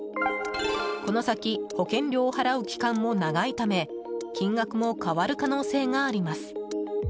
この先保険料を払う期間も長いため金額も変わる可能性があります。